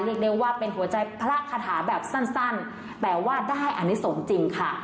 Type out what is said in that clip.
เรียกได้ว่าเป็นหัวใจพระคาถาแบบสั้นแต่ว่าได้อนิสงฆ์จริงค่ะ